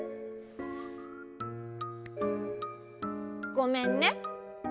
ごめんね。